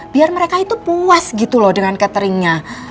biar mereka itu puas gitu loh dengan cateringnya